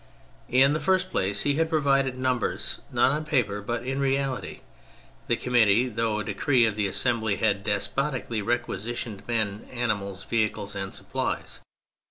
In the first place, he had provided numbers not on paper, but in reality; the Commit tee, through a decree of the Assembly, had despotically " requisitioned " men, animals, vehicles and supplies.